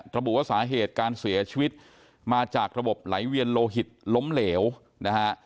ระบุว่าสาเหตุการเสียชีวิตมาจากระบบไหลเวียนโลหิตล้มเหลวนะฮะ